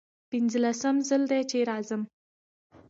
پنځلسم ځل دی چې راځم.